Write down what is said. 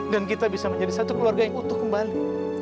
kita bisa menjadi satu keluarga yang utuh kembali